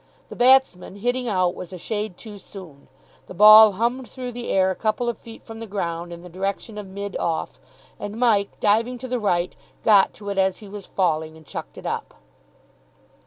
The batsman, hitting out, was a shade too soon. The ball hummed through the air a couple of feet from the ground in the direction of mid off, and Mike, diving to the right, got to it as he was falling, and chucked it up.